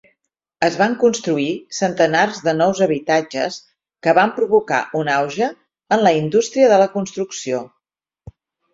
Es van construir centenars de nous habitatges que van provocar un auge en la indústria de la construcció.